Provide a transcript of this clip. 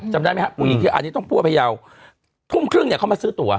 จำได้ไหมครับผู้หญิงที่อันนี้ต้องพูดว่าพยาวทุ่มครึ่งเนี่ยเขามาซื้อตัว